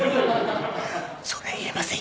「それ言えませんよ」